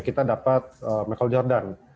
kita dapat michael jordan